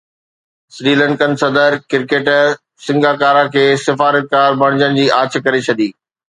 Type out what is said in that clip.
Sri Lankan صدر cricketer Sangakkara کي سفارتڪار بڻجڻ جي آڇ ڪري ڇڏي